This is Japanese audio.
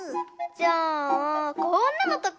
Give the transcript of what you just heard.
じゃあこんなのとか？